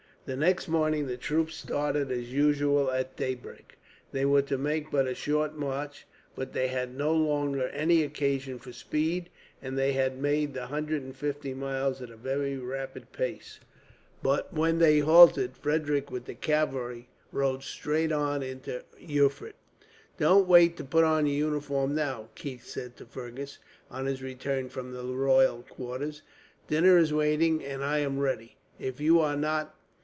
The next morning the troops started, as usual, at daybreak. They were to make but a short march, for they had no longer any occasion for speed, and they had made the hundred and fifty miles at a very rapid pace; but when they halted, Frederick with the cavalry rode straight on into Erfurt. "Don't wait to put on your uniform now," Keith said to Fergus, on his return from the royal quarters; "dinner is waiting; and I am ready, if you are not.